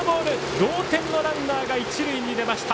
同点のランナーが一塁に出ました。